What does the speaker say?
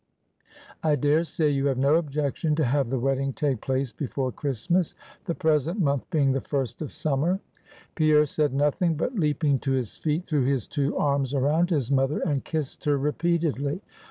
I dare say you have no objection to have the wedding take place before Christmas, the present month being the first of summer." Pierre said nothing; but leaping to his feet, threw his two arms around his mother, and kissed her repeatedly.